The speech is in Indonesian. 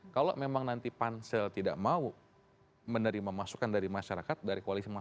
kalau memang nanti pansel tidak mau menerima masukan dari masyarakat dari koalisi masyarakat